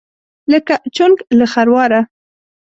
لکه: چونګ له خرواره.